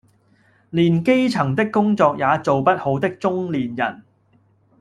連基層的工作也做不好的中年人